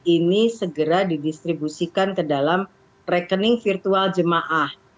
ini segera didistribusikan ke dalam rekening virtual jemaah